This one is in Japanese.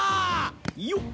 よっ。